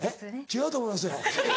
違うと思いますよ。